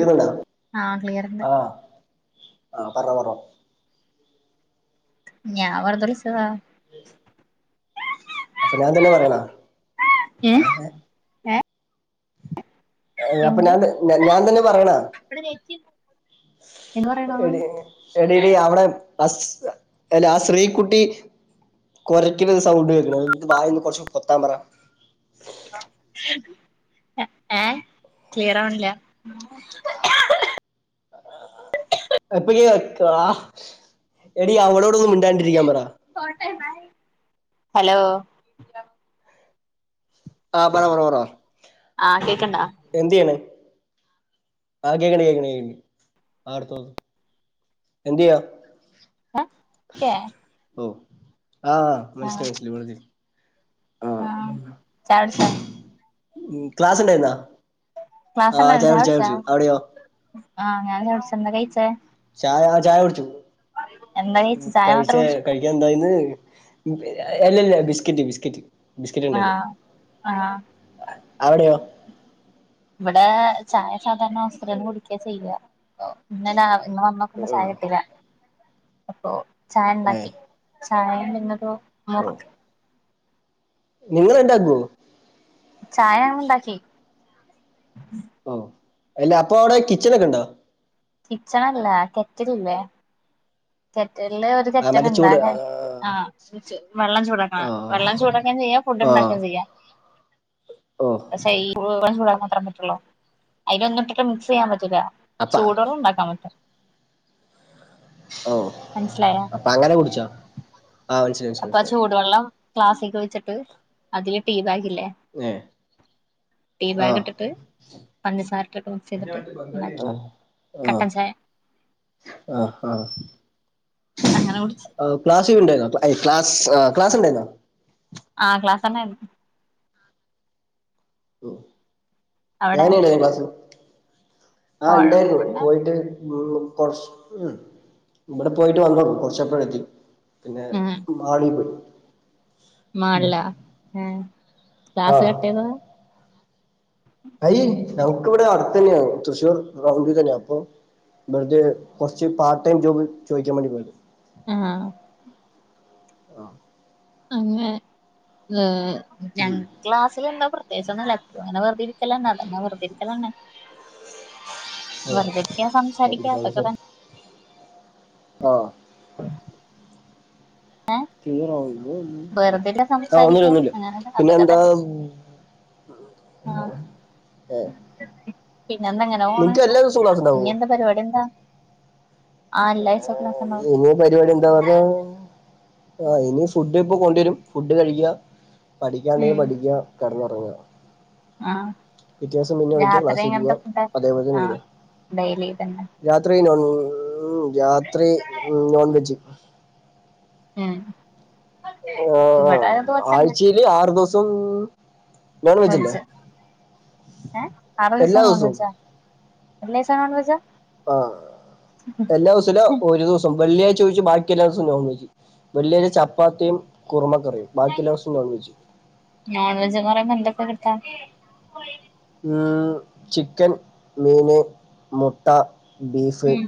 കേക്കുന്നുണ്ടോ ആ ക്ലിയർ ണ്ട്. ആഹ് ആ പറ ബ്രോ ഞാ വെറുതെ വിളിച്ചതാ അപ്പൊ ഞാൻ തന്നെ പറയണ എ ഏഹ് എ ഏ അപ്പൊ എന്ത് ഞാൻ ത് ഞാൻ തന്നെ പറയണാ എന്ത് പറയണോ എടി എടിടി അവിടെ [unintelligible] ലാ ശ്രീക്കുട്ടി കൊരയ്ക്ക്ന്നൊര് സൗണ്ട് കേക്ക്ണ് [unintelligible] ബായൊന്ന് കൊറച്ച് പൊത്താൻ പറ ഏ ക്ലിയറാവണില്ല [inaudible] [unintelligible] എടി അവളോടൊന്ന് മിണ്ടാണ്ടിരിക്കാ പറ [unintelligible] ഹലോ ആ പറപറപറാ [unintelligible] എന്തിയേണ് [unintelligible] എന്തെയ്യാ [unintelligible] ഓ [unintelligible] ആ മനസ്ലായ് [unintelligible] [unintelligible] ആ ചായടിച്ചാ ഉം ക്ലാസ്ണ്ടായിര്ന്ന ക്ലാസ് ആ ചായുടിച്ച് ചായുടിച്ചു അവിടെയോ ആ ഞാൻ ചായുടിച്ച് എന്താ കയ്ച്ചേ ആ ഞാൻ ചായ കുടിച്ചു എന്താ കഴിച്ചേ ചായ മാത്രം കുടിച്ചോ കഴിച്ചെ ന്തായിന്ന് അല്ലല്ല ബിസ്കറ്റ് ബിസ്കറ്റ് ആ ആ അവിടെയോ ഇബ്ടെ ചായ സാധാരണ [unintelligible] കുട്ക്യ ചെയ്യ [unintelligible] ന്ന് വന്നപ്പോ ഓ ചായ കിട്ടീല അപ്പൊ ഏ ചായണ്ടാക്കി ഓ [unintelligible] നിങ്ങള് ഇണ്ടാക്കോ ചായ ഞാണ്ടാക്കി ഓ അല്ല അപ്പൊ അവിടെ കിച്ചനൊക്കെണ്ടോ കിച്ചണല്ല കെറ്റില്ല്ലേ കെറ്റലില് ഒരു ആ മറ്റേ കെറ്റല്ണ്ടാ ചൂട് [unintelligible] ആ വെള്ളം ചൂടക്കണ ആ വെള്ളം ചൂടാക്കേം ചെയ്യാ ഫുഡ് ആ ഉണ്ടാക്കേം ചെയ്യാ ഓ [unintelligible] പറ്റുള്ളു അതിലൊന്നിട്ടിട്ട് മിക്സ് ചെയ്യാൻ പറ്റില്ല അപ്പ ചൂടെള്ളം ഉണ്ടാക്കാൻ പറ്റും ഓ മനസ്സിലായോ അപ്പൊ അങ്ങനെ കുടിച്ചോ ആ മനസ്സിലായി മനസ്സിലായി അപ്പൊ മനസ്സിലായി ചൂടുവെള്ളം ക്ലാസ്ക്ക് വെച്ചിട്ട് അതിൽ ടീ ബാഗില്ലേ ഏ ടീ ആ ബാഗ്ട്ടിട്ട് പഞ്ചസാരട്ടിട്ട് മിക്സ് ചെയ്തിട്ട് ഇണ്ടാക്കി കട്ടൻ ചായ ആ ആ അങ്ങനെ കുടിച്ച് ആ ക്ലാസ് ഒയ്വുണ്ടായിന്നോ ക്ലാസ് ക്ലാസ്ണ്ടായ്ന്നോ ആ ക്ലാസൊണ്ടായിന്നു ഉം അവിടെ [unintelligible] ക്ലാസ് ആ ഇണ്ടായിരുന്നു കൊഴപ്പുണ്ട പോയിട്ട് ഉ കൊറച് ഉം ഇവിടെ പോയിട്ട് വന്നോളൂ കുറച്ചായപ്പോഴെത്തി പിന്നെ മാളി പോയ് മാള്ലാ ഏ ആ ക്ലാസ് കട്ട് ചെയ്തതാ അയ് ഞമ്ക്കിവിടെ അടുത്ത് തന്നെയാണ് തൃശ്ശൂർ റൗണ്ട് തന്നെയാണ് അപ്പൊ [unintelligible] കൊറച്ച് പാർട്ട് ടൈം ജോബ് ചോയ്ക്കാൻ വേണ്ടി പോയത് ആ ആ അങ്ങനെ ഏ ഉം ഞങ്ങൾ ക്ലാസ്സിലെന്താ പ്രത്യേകിച്ച് ഒന്നുല്ല അങ്ങനെ വെറുതെ ഇരിക്കലന്നെ അതന്നെ വെറുതെ ഇരിക്കലന്നെ ഓ വെറുതൊക്കാ സംസാരിക്ക അതൊക്കെ തന്നെ ആഹ [unintelligible] ആഹ് വെറുതെല്ല സംസാരിക്ക ഒന്നുമില്ല ഒന്നുമില്ല അങ്ങനെ പിന്നെ അതൊക്കെ എന്താ തന്നെ ആഹ് [unintelligible] പിന്നെ എന്തങ്ങനെ പോണ് നിനക്ക് എല്ലാ ദിവസവും ക്ലാസ് ഇനി ഉണ്ടാവോ എന്താ പരിപാടി എന്താ ആഹ് എല്ലാ ആഴ്ച ക്ലാസ് ഉണ്ടാവും ആ ഇനിയ് പരിപാടി എന്താ പറഞ്ഞാ ആ ഇനി ഫുഡ് ഇപ്പൊ കൊണ്ടുവരും ഫുഡ് കഴിക്ക പഠിക്കാണ്ടെങ്കിൽ ഉം പഠിക്ക കറങ്ങ ഒറങ്ങാ ആഹ് പിറ്റേ ദിവസം പിന്നെയും എണിക്കാ ക്ലാസ്സിൽ പോവുക അതേപോലെ തന്നെ വരുക ഡെയ്ലി ഇതന്നെ ഉം രാത്രി നോൺവെജ് ആഹ ആ ആഴ്ചയിൽ ആറു ദിവസം നോൺ വെജ് അല്ലേ ഒഴിച്ച് ഏ ആറു എല്ലാ ദിവസം ദിവസവും നോൺവെജോ എല്ലാസിം നോൺവെജാ ആഹ എല്ലാ ദിവസവുല്ല ഒരു ദിവസം വെള്ളിയാ ഒരു ദിവസം ഒഴിച്ചു ബാക്കിയെല്ലാ ദിവസും നോൺവെജ് വെള്ളിയാഴ്ച ചപ്പാത്തിയും കുറുമ നോൺവെജ് കൊറെ എന്തൊക്കെ കിട്ടാ ഉം ചിക്കൻ മീൻ മുട്ട ബീഫ് ഉം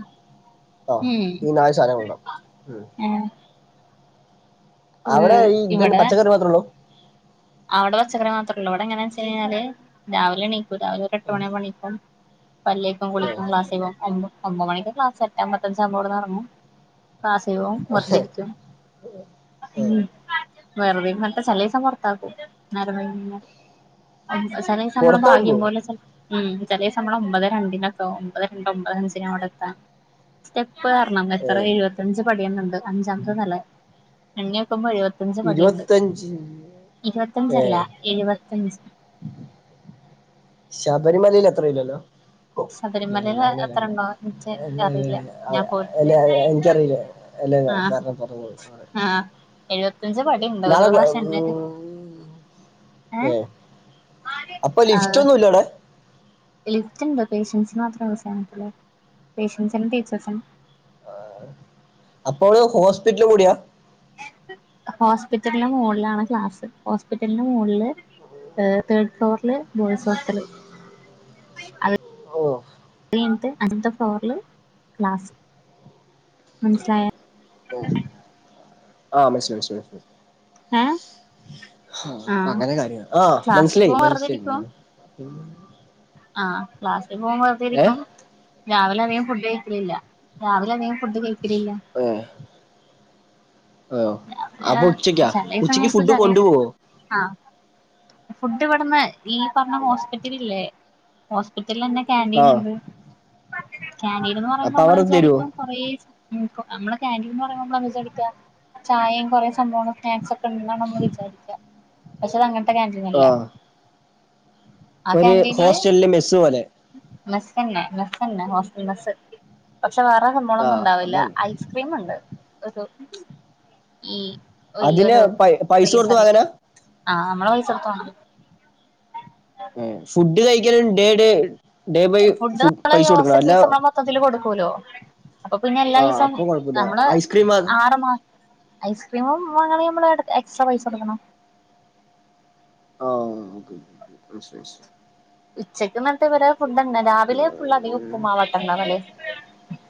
ആ ഉം ഈ നാല് സാധനങ്ങളുണ്ടാവും ഏഹ് അവിടെ ഈ ഇതന്നെ ഇവിടെ പച്ചക്കറി മാത്രമേള്ളൂ അവിടെ പച്ചക്കറി മാത്രേ ഉള്ളൂ ഇവിടെ എങ്ങനാ വെച്ച് കിഞ്ഞാല് രാവിലെ എണീ ഇവിടെ രാവിലെ ഒരു എട്ട് മണി രാവിലെ ഒരുഏട്ടു മണി ആവുമ്പോള്‍ എണീക്കും പല്ലേക്കും ഏ, കുളിക്കും ക്ലാസ്സ് പോകും [unintelligible] ഒമ്പത് മണിക്ക് ക്ലാസ് എറ്റാമ്പത്തഞ്ചാകുമ്പോ ഇവിടെന്ന്റങ്ങും ക്ലാസിൽ പോകും വെറുതെരിക്കും ആ. വെറുതെങ്ങട്ട് ചെലദിവസം പുറത്താക്കും നേരം വൈകി ചിലസം നമ്മള ഭാഗ്യം പുറത്താക്കുവോ പോലെ ചെ ഉ ചേലേസം നമ്മൾ ഒമ്പതെ രണ്ടിനൊക്കെ ഒമ്പതെ രണ്ട് ഒമ്പത് അഞ്ചിനന് അവിടെ എത്താൻ സ്റ്റെപ് പ്പ് കേറണം ഏ എത്ര എഴുപത്തഞ്ച് പടിയുന്നുണ്ട് അഞ്ചാമത്തെ നലെ എണ്ണിനോക്കി മൊത്തം എഴുപത്തഞ്ച് പടി ഉണ്ട് ഇരുപത്തഞ്ച് ഏ ഇരുപത്തഞ്ചല്ല എഴുപത്തഞ്ച് ശബരിമലയിൽ എത്ര ഇല്ലല്ലോ ഓ ശബരിമലയിൽ ഇല്ലഇല്ല എത്ര അങ്ങനെയല്ല ഉണ്ടോ എനിക്ക് എ [unintelligible] അറിയില്ല ഞാൻ പോയിട്ടില്ല അതെ [unintelligible] എനിക്കറിയില്ലേ അല്ലേല്ല ആഹ് പറഞ്ഞ പറഞ്ഞ - ആഹ് എഴുപത്തഞ്ച് പടി ഉണ്ട് ഒരു പ്രാവശം എണ്ണി - ഉം. ഏ അപ്പൊ ലിഫ്റ്റ് ഒന്നുംല്ലടെ ലിഫറ്റ് ഉണ്ട് പേഷ്യൻസിന് മാത്രേ [unintelligible] പേഷ്യൻസി നും ടീച്ചേഴ്സിനും ആ അപ്പോ ലെ ഹോസ്പിറ്റല് കൂടിയാ ഹോസ്പിറ്റലിന്റെ മുകളുകളിലാണ് ക്ലാസ് ഹോസ്പിറ്റലിന്റെ മുകളില് ഹെ തേർഡ് ഫ്ലോറിൽ ബോയ്സ് ഹോസ്റ്റാൽ ആണോ [unintelligible] അടുത്ത ഫ്ലോർല് ക്ലാസ് മനസിലായ അ മസ്മസ് മസ് മ ഏ അ അങ്ങനെ കാര്യ ആ ക്ലാസ്സിൽ മനസ്സിലായി പോവാൻ വെറുതെ മനസ്സിലായി മ് ആ ക്ലാസ്സിൽ ഏ പോകുമ്പർതിരിക്കും രാവിലെ അധികം ഫുഡ് കഴിക്കലില്ല രാവിലെ അധികം ഫുഡ് കഴിക്കലില്ല ഏ ആ രാവിലെ അപ്പൊ ഉച്ചക്കാ ചെലസം ഉച്ചക്ക് കഴിക്കും ഫുഡ് ചെല സം കൊണ്ടുപോവോ ആ ഫുഡ് ഇവിടുന്ന് ഈ പറഞ്ഞ ഹോസ്പിറ്റലി ല്ലേ ഹോസ്പ്പി ത്തിൽന്നെ കാൻറ്റീൻ ആ ഉണ്ട് ക്യാന്റീന്ന് പറയുമ്പോ അപ്പൊ നമ്മള് അവർ തരുവോ വിചാരിക്കും കൊറേ നമ്മള് ക്യാന്റീന്ന്പറയുമ്പോ നമ്മളഎന്താ വിചാരിക്ക ചായയും കുറേ സംഭവങ്ങളും സ്നാക്സ് ഒക്കെ ഉണ്ടെന്നാണ് നമ്മൾ വിചാരിക്കുക പക്ഷെ അത്ങ്ങന ത്ത ക്യാന്റീനല്ല ആ ആ ഒരു ക്യാന്റീനില് ഹോസ്റ്റലിലെ മെസ്സ് പോലെ മെസ്സ ന്നെ മെസ്സ് ഇണ്ട് ഹോസ്റ്റാൽ മെസ്സ് പക്ഷെ വേറെ ആ സംഭോളൊന്നും ഉണ്ടാവില്ല അതാണ് ഐസ്ക്രീം ഉണ്ട് ഒരു ഈ വല്യ അതിന് ഒരു പൈ- പൈസ കൊടുത്ത് ഉ ളെള വാങ്ങാനാ ആ നമ്മള് പൈസ കൊടുത്ത് വാങ്ങുല്ല ഹെ ഫുഡ് കഴിക്കല് ഡ് ഡ് ഫുഡ് നമ്മളെ ഹോസ്റ്റൽ ഫീസ്മ്മ മൊത്തത്തില്കൊടുക്കൂ ലോ അപ്പൊ പിന്നെ എല്ലാ ആ ദിവസം അപ്പൊ കുഴപ്പമില്ല നമ്മള് ഐസ്ക്രീം ആ ആറ്മാസ ഐസ്ക്രീമും വാങ്ങനങ്കിൽ നമ്മൾ എക്സ്ട്രാ പൈസ കൊടുക്കണം ആ ഓക്കെ ഓക്കെ മനസ്സിലായി മനസ്സിലായി. ഉച്ചക്ക്ന്നട്ട് ഇവടെ ഫുഡ്ണ് രാവിലെ ഫുൾ അതികം മനസ്സിലായി. ഉപ്പുമാവട്ടഇണ്ടാവല്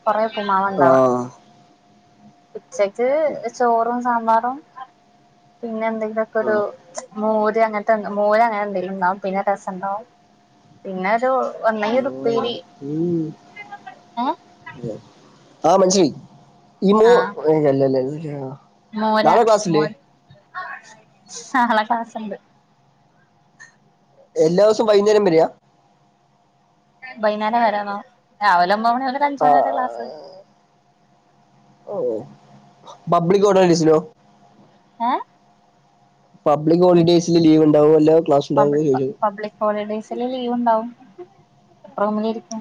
കൊറെ ഉപൂമാവ ആ ഉണ്ടവാ ഉച്ചക്ക് ഓ, ചോറും സാമ്പാറും പിന്നെ എന്ത അതൊക്കെ ആ ഒരു മോര് അങ്ങനത്തെ മോര് അങ്ങനെ എന്തെങ്കിലും ഉണ്ടാവും പിന്നെ രസംണ്ടാവും പിന്നെ അത് മോര് ഉം ഏ [unintelligible] ആ മൻഷയി ഈ ആഹ് മോല്ലല്ലരാ മോര മോര നാളെ ക്ലാസ്ണ്ട് എല്ലാ ദിവസവും വൈകുന്നേരം വരയാ വൈകുന്നേരം വരാമോ രാവിലെ ഒമ്പ മണി മുതൽ ആ അഞ്ചുമണി വരെ ക്ലാസ് ഓ പബ്ലിക് ഓഡസിലോ ഏ പബ്ലിക് ഹോളിഡേസില് ലീവ് ഉണ്ടാവും അല്ലോ പബ് പബ്ലിക് ഹോളിഡേസില് ലീവ് ഉണ്ടാവും റൂമിൽ ഇരിക്കും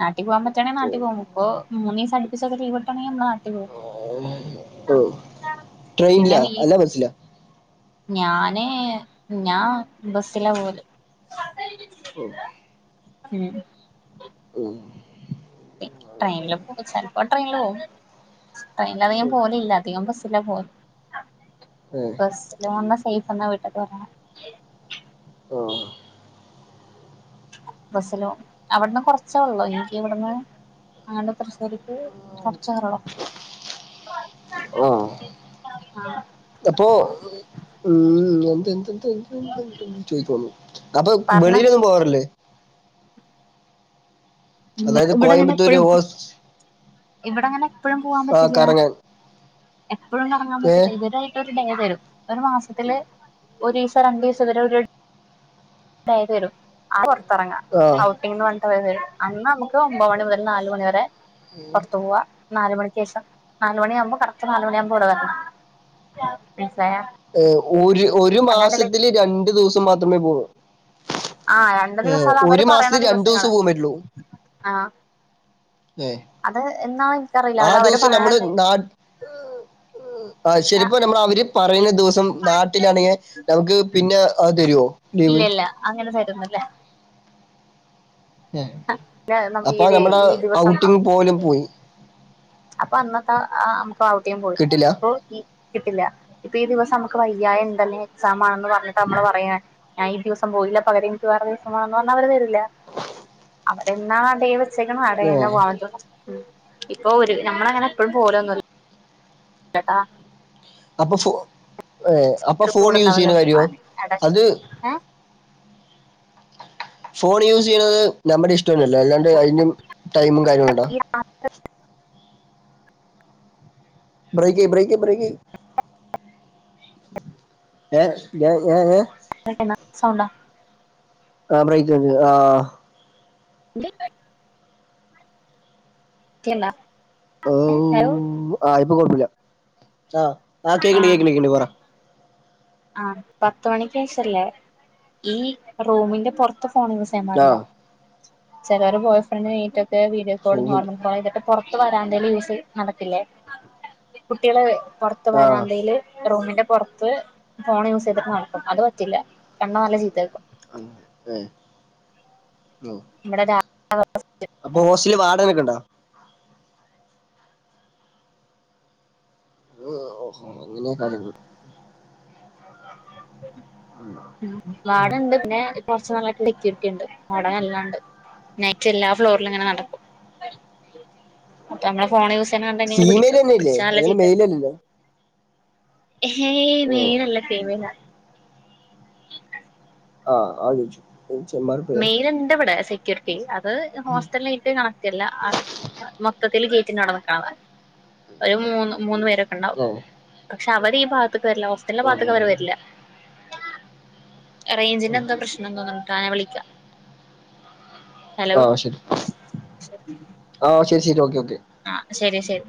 നാട്ടിൽ പോകാൻ പറ്റാണെങ്കിൽ ഓ നാട്ടിൽ പോകും ഇപ്പ മൂന്ന്ദിവസം ഒരു സം ലീവ് കിട്ടണേ [unintelligible] ഓ ട്രെയിനിലാ അല്ലാ ബസ്സിലാ ഞാന്ഞാ ബസില പോല് ഓ.. മ് ഉം ട്രെയിനിൽ പോവു ചെലപ്പോ ട്രെയിനിൽ പോകും. ട്രെയിനില് അധികം ഉം പോവലില്ല അധികം ബസ്സില പോവൽ ഏ ബസ്സില് വന്ന സെയ്ഫ് ന്നാ വീട്ടക്ക് വരണെ [inaudible] ആ ബസിലോ അവിടുന്ന് കൊറച്ചേ ഉള്ളോ എനിക്ക് ഇവിടുന്ന് അങ്ങ നെ തൃശൂ എനിക്ക് കൊറച്ചേ ഒള്ളു ആഹ് ആഅപ്പൊ ഉ [inaudible] [unintelligible] ചോദിച്ചോളുഅപ്പൊ പറഞ്ഞോ വെളിയിലൊന്നും പോവാറില്ലേ അതായത് ഇവിടെങ്ങനെ കോയമ്പത്തൂര് എപ്പഴും ഹോസ് ഇവിടെ അങ്ങനെ എപ്പഴും പോവാൻ ആ പറ്റില്ല. കറങ്ങാൻ എപ്പഴും കറങ്ങാൻ ഏ പറ്റില്ല ഇവരായിട്ട് ഒരു ഡേ തരും. ഒരു മാസത്തില് ഒരീസം രണ്ടീസം ഇ വരെ രു ഡേ തരും ആ പുറത്ത് ഇറങ്ങാം ആ ഔട്ടിംഗ് പറഞ്ഞ് അന്ന് നമുക്ക് ഒമ്പത് മണി മുതൽ നാലുമണി വരെ പുറത്തത്ത് പോവാ. നാല് മണിക്ക് ശേഷം നാലുമണി ആവുമ്പോൾ കറക്റ്റ് നാലുമണിആവുമ്പോ ഇവിടെ വരണം മനസിലായോ ഏ ഒരു ഒരു മാസത്തില് രണ്ടു ദിവസം മാത്രമേ പോവൂ. ആ രണ്ട് ഏർ ദിവസം അത് അവര് ഒരു പറയണ മാസത്തി രണ്ടു ദിവസം ദിവസങ്ങള് പോകൻ പറ്റുള്ളൂ. ആ ഹേ അത് എന്നാന്ന് എനിക്കറിയില്ല ആ അത് അവര് ദിവസം പറയണ നമ്മള് നാ ശരിപ്പ നമ്മൾ അവര് പറയണ ദിവസം - - മ് നാട്ടിലാണെങ്കിൽ നമുക്ക് പിന്നെ അഹ്‌തരുവോ ലീവ്. ല്ലേ [unintelligible] നമുക്ക് അപ്പൊ ഈ നമ്മടെ ഈ ഔട്ടിങ് പോലും ദിവസം പോയി. അപ്പൊ അന്നത്തെ നമുക്ക് ഔട്ട് പോയി കിട്ടില്ല അപോയി അൊ കിട്ടില്ല ഇപ്പൊ ഈ ദിവസംക്ക് വയ്യായ എന്തന്നെ എക്സാം ആണന്ന് പറഞ്ഞട്ട് നമ്മള് പറയാ ഞാൻ ഈ ദിവസം പോയില്ല പകരം എനിക്ക് വേറെ ദിവസമാണ പറ അവർ തരില്ല അവരെ എന്നാ അതേ വെച്ചേക്കണം അടെന്ന ഏഹ് വാടറടത്ത ഇപ്പ ഒരു നമ്മള അങ്ങനെ എപ്പോഴും പോലെന്ന് മി ചേട്ടാ അപ്പൊ ഫോ ഏ അപ്പൊ ഫോൺ യൂസ് മൂടുണ്ടാവൂല ചെയ്യുന്ന കാര്യോ പോവാന് എടാ അത് ഏഹ് ഫോൺ യൂസ് ചെയ്യുന്നത് നമ്മുടെ ഇഷ് ന്നല്ലോ അല്ലാണ്ട് അതിും ടൈമും കാര്യങ്ങളുണ്ടോ ബ്രേക്ക് യ്യ ബ്രേക്ക് യബ്രേക്ക് ഏ ഏ ഏ [unintelligible] സൗണ്ടാ [unintelligible] ആഹ ബ്രൈക്ക്ണ്ട് ആ ഉ [inaudible] ഹലോ കെഴപ്പല്ല ആ ആ കേക്കണ്ട്കേക്കണ്ട് കേക്കണ്ടി പറ ആ പത്ത് മണിക്ക് ശേഷല്ലേ ഈ റൂമിന്റെ പുറത്ത്. ഫോൺ യൂസ് ചെയ്യാൻ പാടില്ല ആഹ് ചെലോര് ബോയ് ഫ്രണ്ട്വീഡിയോ നീറ്റ് ഒക്കെകോൾ റൂമില് നോർമൽ കോൾ ക്കെ പൊർ പുറത്ത് വരാന്തൽ യൂസ് നടക്കില്ലേ കുട്ടികള് പുറത്ത ആഹ് വരാന്തയില് റൂമിന്റെ പുറത്ത് ഫോൺ യൂസ് ചെയ്തിട്ട് നടക്കും അത് പറ്റില്ല കണ്ട നല്ല ചീതേക്കും അ ഏ ഇവടെ രാ അപ്പൊ ഹോസ്റ്റല വാടകക്കെണ്ടോ ആ ഓഹോ അങ്ങനെയ കാണുന്നു ടുണ്ട് പിന്നെ കുറച്ച നല്ല കണ്ട് മടം എല്ലാംണ്ട് നെക്സ്റ്റ് എല്ലാ ഫ്ലോറിലും ഇങ്ങനെ നടക്കും അപ്പൊ നമ്മള ഫോൺ യൂസ് ചെയ്യ കണ്ടന്നെ ഫീമെയിൽ പിടിക്കും തന്നെയല്ലേ പിടിച്ച നല്ല അല്ലാണ്ട് മെയിൽ ചീത്തേക്കും അല്ലല്ലോ ഏ ഏഹ് മൈനല്ല ഫീമെല ആ ആജിച്ചു മെയിൽ എണ്ട് ഇവിടെ സെക്യൂരിറ്റി അത് ഹോസ്റ്റലായിട്ട് കണക്ട് അല്ല അ മൊത്തത്തിൽ ചേറ്റി നടന്നക്കണ ഒരു മൂന്ന് മൂന്ന് പേരൊക്കെ ഉണ്ടാവും ആഹ് പക്ഷെ അവര് ഈ ഭാഗ വരി ഹോസ്റ്റലെ പാത്തേക്ക അവര് ആഹ് വരില്ല റേഞ്ചിന്റെ എന്തോ പ്രശ്നം തോന്നി ണ് ആ വിളിക്കാം ഹലോ ആഹ് ശരി ആഹ് ശരി ശരി ഒക്കെ ഒക്കെ ആഹ ശരി ശരി